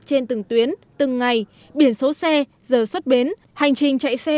trên từng tuyến từng ngày biển số xe giờ xuất bến hành trình chạy xe